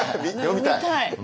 読みたい！